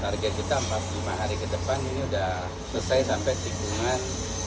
target kita empat lima hari ke depan ini sudah selesai sampai tikungan